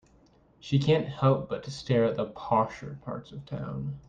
She can't help but to stare at the posher parts of town.